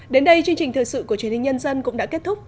đến đây chương trình thời sự của truyền hình nhân dân cũng đã kết thúc